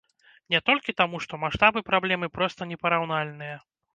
Не толькі таму, што маштабы праблемы проста непараўнальныя.